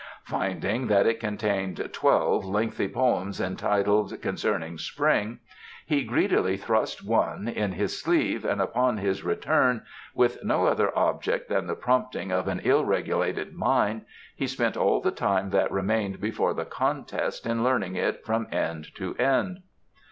Finding that it contained twelve lengthy poems entitled "Concerning Spring", he greedily thrust one in his sleeve, and upon his return, with no other object than the prompting of an ill regulated mind, he spent all the time that remained before the contest in learning it from end to end.